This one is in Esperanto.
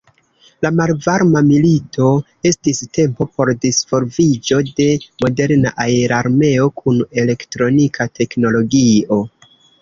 La Malvarma milito estis tempo por disvolviĝo de moderna aerarmeo kun elektronika teknologio.